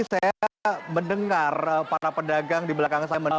saya mendengar para pedagang di belakang saya